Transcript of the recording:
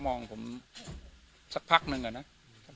วันนี้ก็จะเป็นสวัสดีครับ